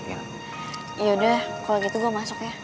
yaudah kalau gitu gue masuk ya